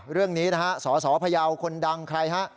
เรื่องนี้นะฮะสสพยาวคนดังใครฮะ